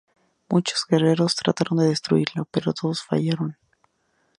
Muchos guerreros trataron de destruirlo..., pero todos fallaron.